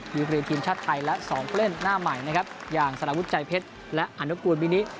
ดีกรีทีมชาติไทยและสองผู้เล่นหน้าใหม่นะครับอย่างสารวุฒิใจเพชรและอนุกูลมินิ